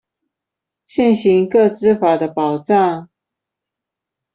現行個資法的保障